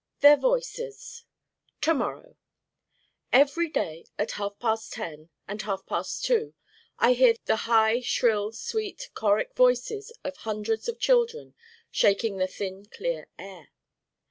Their voices To morrow Every day at half past ten and half past two I hear the high shrill sweet choric Voices of hundreds of children shaking the thin clear air.